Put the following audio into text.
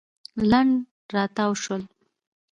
لنډ راتاو شول.